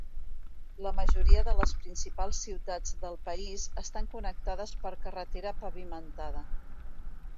La majoria de les principals ciutats del país estan connectades per carretera pavimentada.